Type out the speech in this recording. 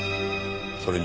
それに。